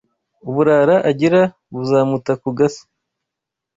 uburara agira buzamuta k’ agasi